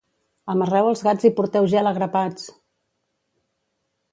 Amarreu els gats i porteu gel a grapats!